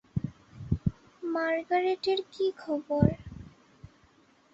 মার্গারেটের কী খবর?